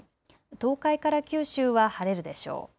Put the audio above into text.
東海から九州は晴れるでしょう。